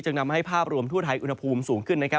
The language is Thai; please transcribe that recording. นำให้ภาพรวมทั่วไทยอุณหภูมิสูงขึ้นนะครับ